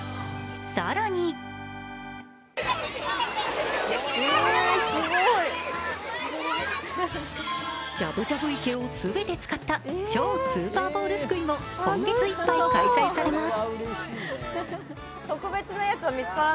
更にじゃぶじゃぶ池を全て使った超スーパーボールすくいも今月いっぱい開催されます。